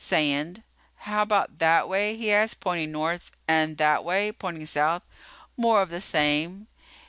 "Sand." "How about that way?" he asked, pointing north. "And that way?" pointing south. "More of the same."